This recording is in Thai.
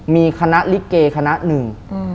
มีคณะลิเกคณะหนึ่ง